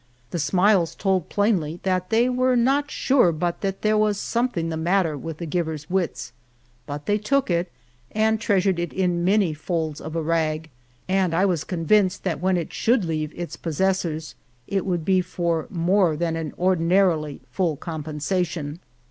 The smiles told plainly that they were not sure but there was something the matter with the giver's wits. But they took it and treasured it in many folds of a rag, and I was con vinced that when it should leave its posses sors it would be for more than an ordinarily full compensation.